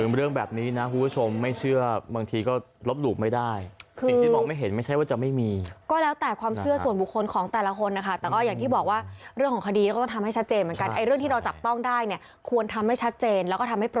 คือเรื่องแบบนี้นะที่ผู้ชมไม่เชื่อบางทีก็ลบหลุบไม่ได้